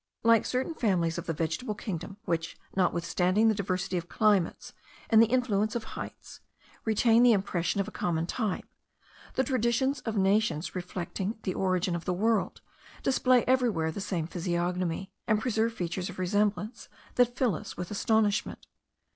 Like certain families of the vegetable kingdom, which, notwithstanding the diversity of climates and the influence of heights, retain the impression of a common type, the traditions of nations respecting the origin of the world, display everywhere the same physiognomy, and preserve features of resemblance that fill us with astonishment.